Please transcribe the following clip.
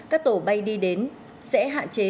các tổ bay đi đến sẽ hạn chế